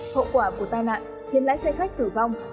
hậu quả của tai nạn khiến lái xe khách tử vong